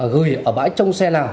gửi ở bãi trong xe nào